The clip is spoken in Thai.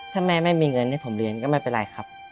ถ้าแม่ไม่มีเงินให้ผมเรียนก็ไม่เป็นไรครับ